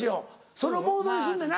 そのモードにすんねな。